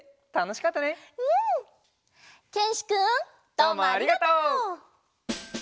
どうもありがとう！